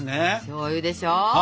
しょうゆでしょ！